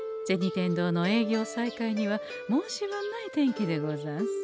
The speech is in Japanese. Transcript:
天堂の営業再開には申し分ない天気でござんす。